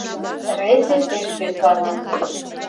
Рвезе пеш йӧслана.